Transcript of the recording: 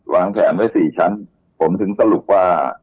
วางแผนไว้๔ชั้นผมถึงสรุปว่า